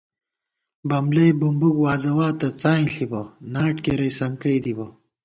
بملَئی بُمبُک وازَواتہ، څائیں ݪِبہ، ناٹ کېرَئی سنکَئی دِبہ